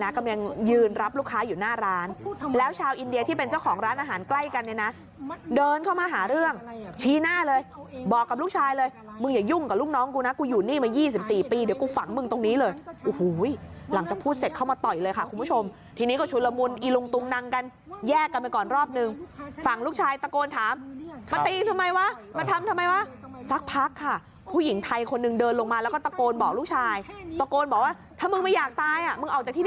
ค้าอยู่หน้าร้านแล้วชาวอินเดียที่เป็นเจ้าของร้านอาหารใกล้กันนะเดินเข้ามาหาเรื่องชี้หน้าเลยบอกกับลูกชายเลยมึงอย่ายุ่งกับลูกน้องกูนะกูอยู่นี่มา๒๔ปีเดี๋ยวกูฝังมึงตรงนี้เลยหลังจากพูดเสร็จเข้ามาต่อยเลยค่ะคุณผู้ชมทีนี้ก็ชุดละมุนอีลุงตุงนังกันแยกกันไปก่อนรอบนึงฝังลูกชายตะโกนถาม